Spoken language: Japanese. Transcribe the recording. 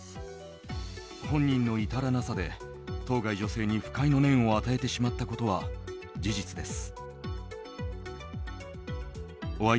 本人の至らなさで当該女性に不快の念を与えてしまったことは事実です。